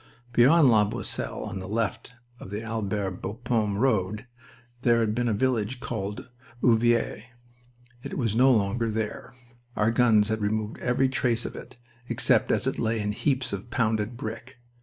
Beyond La Boisselle, on the left of the Albert Bapaume road, there had been a village called Ovillers. It was no longer there. Our guns has removed every trace of it, except as it lay in heaps of pounded brick.